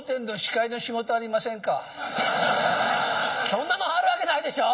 そんなのあるわけないでしょ。